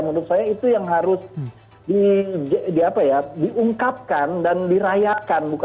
menurut saya itu yang harus diungkapkan dan dirayakan